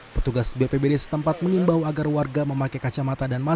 petugas bpbd setempat mengimbau agar warga memakai kacamata dan masker